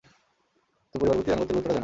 তুমি পরিবারের প্রতি আনুগত্যের গুরুত্বটা জানো।